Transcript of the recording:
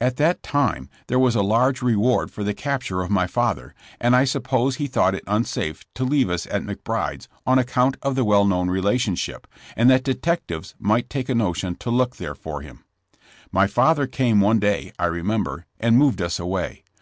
At that time there was a large reward for the capture of my father, and I suppose he thought it unsafe to leave us at McBride's on account of the well known relationship, and that detectives might take a notion to look there for him. My father came one day, I remember, and moved us away.